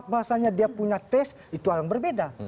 bahasanya dia punya tes itu hal yang berbeda